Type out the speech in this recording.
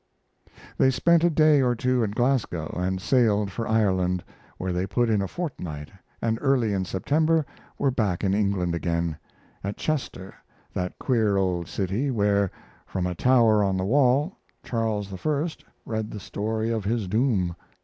They spent a day or two at Glasgow and sailed for Ireland, where they put in a fortnight, and early in September were back in England again, at Chester, that queer old city where; from a tower on the wall, Charles I. read the story of his doom.